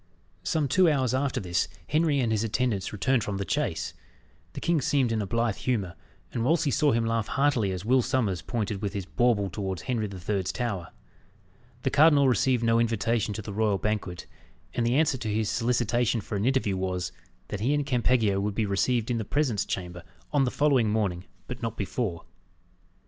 Some two hours after this, Henry and his attendants returned from the chase. The king seemed in a blithe humour, and Wolsey saw him laugh heartily as Will Sommers pointed with his bauble towards Henry the Third's Tower. The cardinal received no invitation to the royal banquet; and the answer to his solicitation for an interview was, that he and Campeggio would be received in the presence chamber on the following morning, but not before.